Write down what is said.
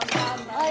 はい。